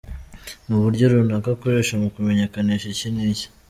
n'uburyo runaka akoresha mu kumenyekanisha iki niki !!!.